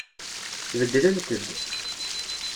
Beddlent-d.